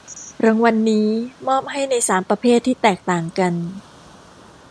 รางวัลนี้มอบให้ในสามประเภทที่แตกต่างกัน